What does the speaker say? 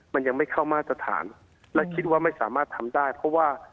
มันยังไม่เข้ามาตรฐานและคิดว่าไม่สามารถทำได้เพราะว่า